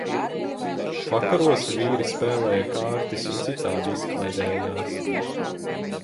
Vakaros vīri spēlēja kārtis un citādi izklaidējās.